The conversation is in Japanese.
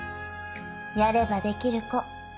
やれば出来る子。